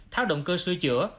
tháo động cơ sưu chữa